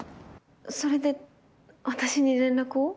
それで私に連絡を？